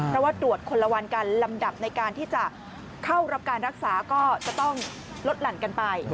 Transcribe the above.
เพราะว่าตรวจคนละวันกันลำดับในการที่จะเข้ารับการรักษาก็จะต้องลดหลั่นกันไป